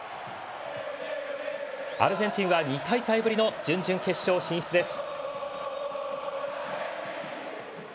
アルゼンチンは２大会ぶりの準々決勝進出です。